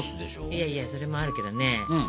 いやいやそれもあるけどね。